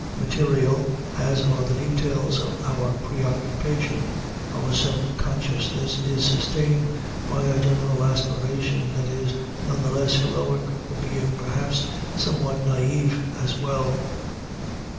Material as are the details of our preoccupation, our sub consciousness is sustained by a general aspiration that is none the less heroic for being, perhaps, somewhat naïf as well.